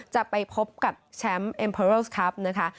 จะไปพบกับแชมป์เอ็มเพอร์เริลส์ครับนะคะ